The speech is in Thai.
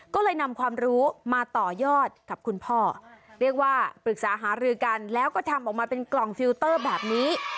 ก็เลยนำความรู้มาต่อยอดกับคุณพ่อเรียกว่าปรึกษาหารือกันแล้วก็ทำออกมาเป็นกล่องฟิลเตอร์แบบนี้